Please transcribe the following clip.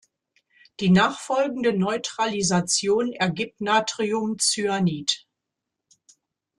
Die nachfolgende Neutralisation ergibt Natriumcyanid.